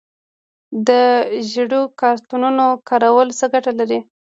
د ژیړو کارتونو کارول څه ګټه لري؟